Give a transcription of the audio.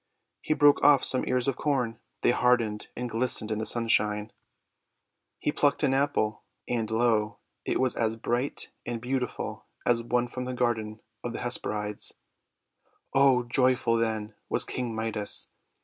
He broke off some ears of Corn; they hardened, and glistened in the sunshine. GOLDEN GIFT OF KING MIDAS 277 He plucked an Apple, and, lo! it was as bright and beautiful as one from the Garden of the Hesperides. Oh, joyful, then, was King Midas!